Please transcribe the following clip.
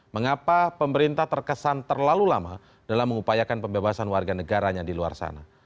mengapa pemerintah terkesan terlalu lama dalam mengupayakan pembebasan warga negaranya di luar sana